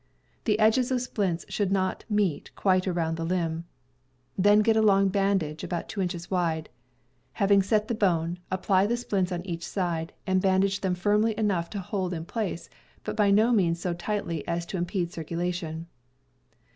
The edges of splints should not quite meet around the limb. Then get a long bandage, about two inches wide. Having set the bone, apply the ACCIDENTS 309 splints on each side, and bandage them firmly enough to hold in place, but by no means so tightly as to im pede circulation.